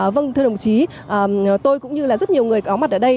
vâng thưa đồng chí tôi cũng như là rất nhiều người có mặt ở đây